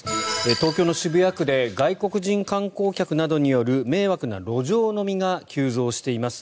東京の渋谷区で外国人観光客などによる迷惑な路上飲みが急増しています。